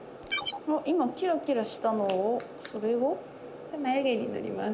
今キラキラしたのをそれは？これまゆ毛に塗ります。